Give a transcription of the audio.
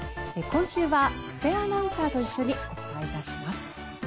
今週は布施アナウンサーと一緒にお伝えいたします。